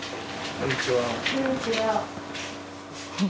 こんにちは。